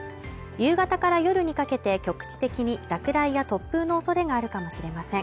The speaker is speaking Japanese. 夕方から夜にかけて局地的に落雷や突風のおそれがあるかもしれません。